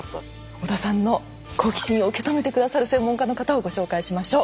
織田さんの好奇心を受け止めて下さる専門家の方をご紹介しましょう。